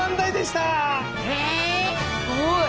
すごい！